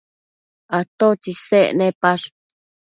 atotsi isec nepash?